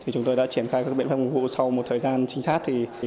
chúng tôi đã triển khai các biện pháp ngụ hữu sau một thời gian trinh sát